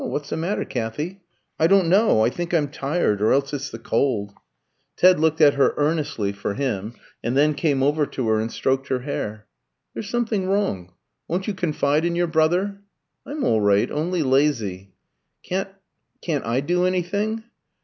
"What's the matter, Kathy?" "I don't know. I think I'm tired, or else it's the cold." Ted looked at her earnestly (for him) and then came over to her and stroked her hair. "There's something wrong. Won't you confide in your brother?" "I'm all right only lazy." "Can't can't I do anything?"